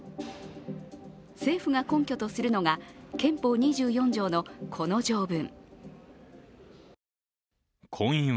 政府が根拠とするのが憲法２４条の、この条文。